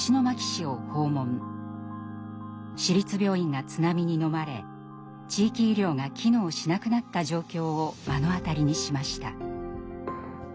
市立病院が津波にのまれ地域医療が機能しなくなった状況を目の当たりにしました。